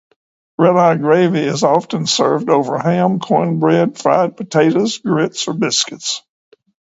Red-eye gravy is often served over ham, cornbread, fried potatoes, grits, or biscuits.